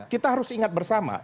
kita harus ingat bersama